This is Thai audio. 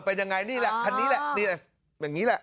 เป็นยังไงนี่แหละคันนี้แหละนี่แหละอย่างนี้แหละ